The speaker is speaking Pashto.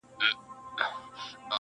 هم یې غزل خوږ دی هم ټپه یې نازنینه ده,